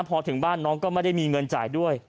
พอถึงบ้านน้องก็ไม่ได้มีเงินจ่ายด้วย